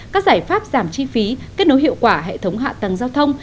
các giải pháp giảm chi phí kết nối hiệu quả hệ thống hạ tầng giao thông